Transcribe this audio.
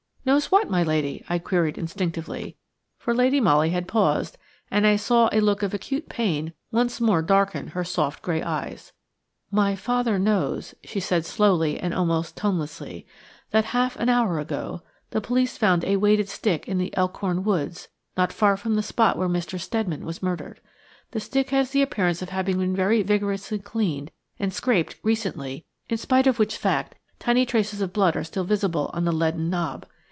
"Knows what, my lady?" I queried instinctively, for Lady Molly had paused, and I saw a look of acute pain once more darken her soft, grey eyes. "My father knows," she said, slowly and almost tonelessly, "that half an hour ago the police found a weighted stick in the Elkhorn Woods not far from the spot where Mr. Steadman was murdered. The stick has the appearance of having been very vigorously cleaned and scraped recently in spite of which fact tiny traces of blood are still visible on the leaden knob.